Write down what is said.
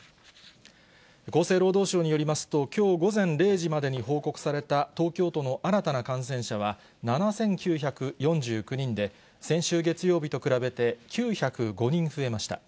厚生労働省によりますと、きょう午前０時までに報告された東京都の新たな感染者は７９４９人で、先週月曜日と比べて９０５人増えました。